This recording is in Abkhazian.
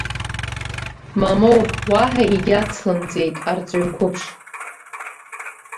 Мамоу, уаҳа егьацлымҵеит арҵаҩ қәыԥш.